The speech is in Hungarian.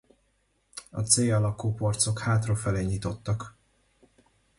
A C alakú porcok hátrafelé nyitottak.